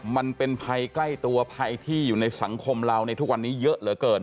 มันเป็นภัยใกล้ตัวภัยที่อยู่ในสังคมเราในทุกวันนี้เยอะเหลือเกิน